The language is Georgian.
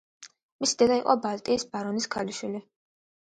მისი დედა იყო ბალტიის ბარონის შვილიშვილი.